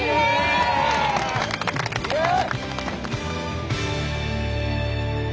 イエーイ！